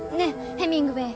ヘミングウェイ